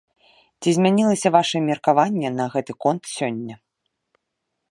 Ці змянілася вашае меркаванне на гэты конт сёння?